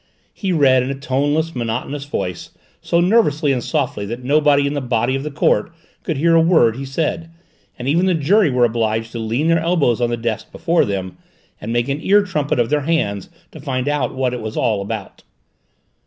He read in a toneless, monotonous voice, so nervously and softly that nobody in the body of the court could hear a word he said, and even the jury were obliged to lean their elbows on the desk before them and make an ear trumpet of their hands to find out what it was all about.